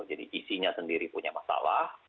jadi isinya sendiri punya masalah